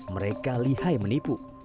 mereka lihai menipu